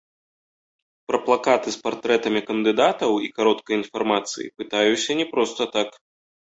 Пра плакаты з партрэтамі кандыдатаў і кароткай інфармацыяй пытаюся не проста так.